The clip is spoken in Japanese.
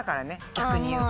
逆に言うと。